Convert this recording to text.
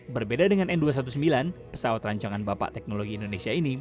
berbeda dengan n dua ratus sembilan belas pesawat rancangan bapak teknologi indonesia ini